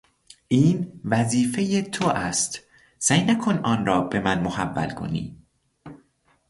این وظیفهی تو است، سعی نکن آن را به من محول کنی!